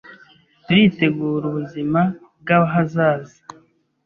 Turitegura ubuzima bw’ahazaza,